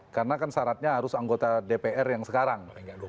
karena kan syaratnya harus anggota dpr yang sekarang